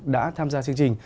đã tham gia chương trình